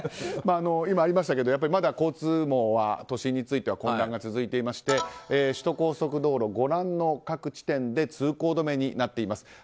今、ありましたけどまだ交通網は都心については混乱が続いていまして首都高速道路、ご覧の各地点で通行止めになっています。